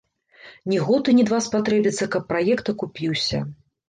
Не год і не два спатрэбіцца, каб праект акупіўся.